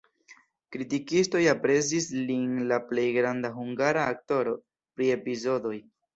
Kritikistoj aprezis lin la plej granda hungara aktoro pri epizodoj.